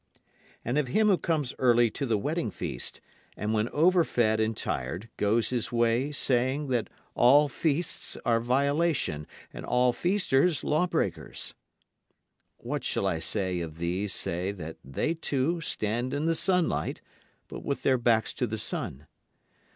And of him who comes early to the wedding feast, and when over fed and tired goes his way saying that all feasts are violation and all feasters lawbreakers? What shall I say of these save that they too stand in the sunlight, but with their backs to the sun?